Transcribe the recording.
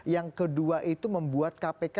yang kedua itu membuat kpk